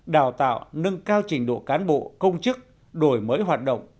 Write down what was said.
đào tạo nâng cao trình độ cán bộ công chức đổi mới hoạt động